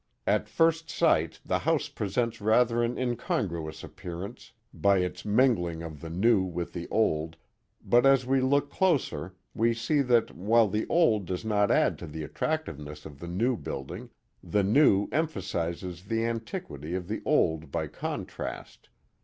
At first sight the house presents rather an incongruous appearance by its mingling of the new with the old, but as we look closer we see that, while the old does not add to the attractiveness of the new building, the new emphasizes the antiquity of the old by contrast.